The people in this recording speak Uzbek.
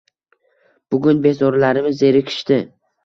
“Bugun bezorilarimiz zerikishdi.